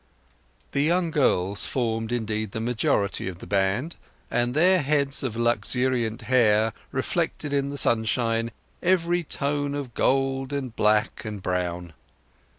The young girls formed, indeed, the majority of the band, and their heads of luxuriant hair reflected in the sunshine every tone of gold, and black, and brown.